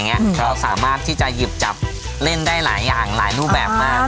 เราสามารถที่จะหยิบจับเล่นได้หลายอย่างหลายรูปแบบมาก